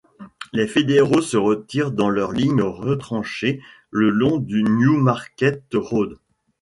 Les fédéraux se retirent dans leurs lignes retranchées le long de New Market Road.